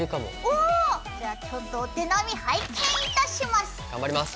おじゃあちょっとお手並み拝見いたします。